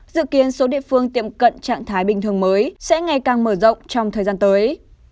dự kiến số địa phương tiệm cận trạng thái bình thường mới sẽ ngày càng mở rộng trong thời gian tới